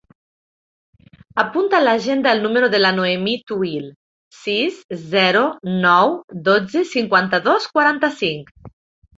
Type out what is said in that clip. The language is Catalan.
Apunta a l'agenda el número de la Noemí Touil: sis, zero, nou, dotze, cinquanta-dos, quaranta-cinc.